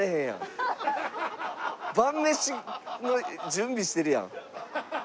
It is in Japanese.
晩飯の準備してるやん。